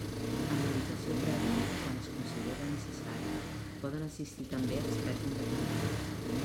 Amb invitació prèvia, quan es considere necessari, poden assistir també experts independents.